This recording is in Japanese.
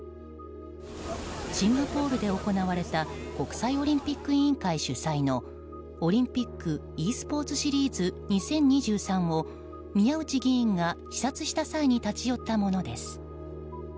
シンガポールで行われた国際オリンピック委員会主催のオリンピックｅスポーツシリーズ２０２３を宮内議員が視察した際に立ち寄ったものです。